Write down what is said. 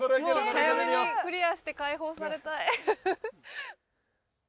早めにクリアして解放されたい。